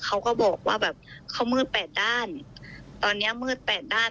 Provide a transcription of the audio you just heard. เขาก็บอกว่าแบบเขามืดแปดด้านตอนเนี้ยมืดแปดด้าน